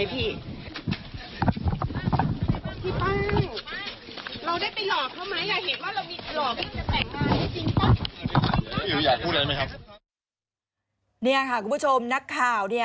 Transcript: นี่ค่ะคุณผู้ชมนักข่าว